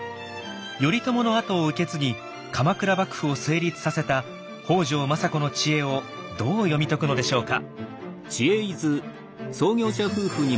頼朝の後を受け継ぎ鎌倉幕府を成立させた北条政子の知恵をどう読み解くのでしょうか。